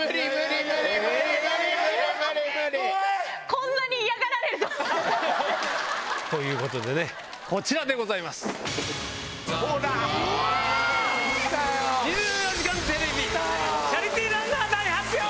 こんなに嫌がられるとは。ということでね、こちらでごほら、きたよ。